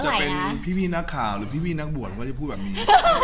จะเป็นพี่นักข่าวหรือพี่นักบวชก็จะพูดแบบนี้